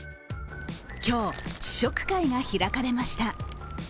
今日、試食会が開かれました。